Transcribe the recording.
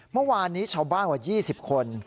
เมื่อวานนี้ชาวบ้านกว่า๒๐คน